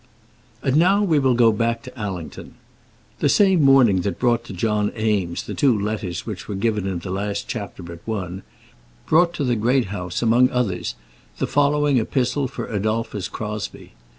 And now we will go back to Allington. The same morning that brought to John Eames the two letters which were given in the last chapter but one, brought to the Great House, among others, the following epistle for Adolphus Crosbie.